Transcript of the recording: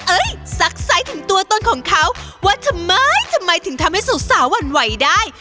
ซักไซส์ถึงตัวตนของเขาว่าทำไมทำไมถึงทำให้สาวหวั่นไหวได้